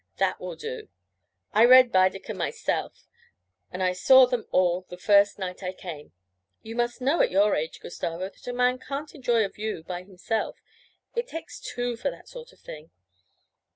'That will do; I read Baedeker myself, and I saw them all the first night I came. You must know at your age, Gustavo, that a man can't enjoy a view by himself; it takes two for that sort of thing.